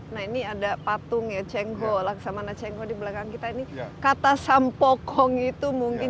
nah ini ada patung ya cengho laksamana cengho di belakang kita ini kata sampokong itu mungkin